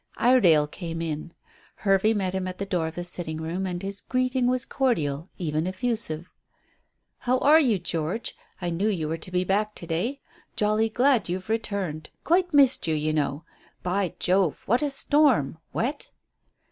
Iredale came in. Hervey met him at the door of the sitting room, and his greeting was cordial, even effusive. "How are you, George? I knew you were to be back to day. Jolly glad you've returned. Quite missed you, you know. By Jove! what a storm. Wet?"